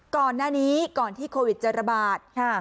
ก่อนหน้านี้ก่อนที่โควิดจะระบาด